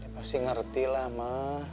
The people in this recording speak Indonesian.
pasti ngerti lah ma